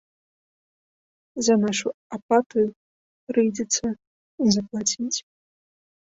За нашу апатыю прыйдзецца заплаціць.